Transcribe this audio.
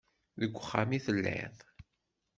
Deg uxxam itelliḍ?